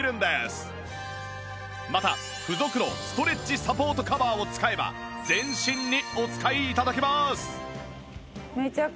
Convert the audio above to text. また付属のストレッチサポートカバーを使えば全身にお使い頂けます！